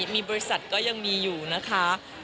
มีบริษัทก็ยังมีอยู่นะคะ